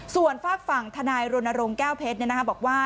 ส่วนฝากฝั่งทนายรณรงค์แก้วเพชรบอกว่า